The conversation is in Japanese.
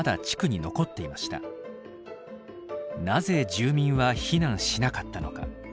なぜ住民は避難しなかったのか。